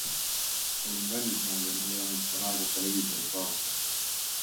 Olin välismaal ja mul ei olnud seal aega televiisorit vaadata.